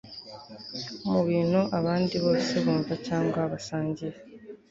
Mubintu abandi bose bumva cyangwa basangiye